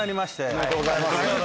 おめでとうございます。